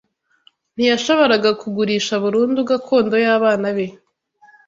ntiyashoboraga kugurisha burundu gakondo y’abana be